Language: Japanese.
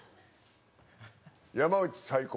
山内最高。